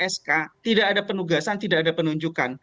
sk tidak ada penugasan tidak ada penunjukan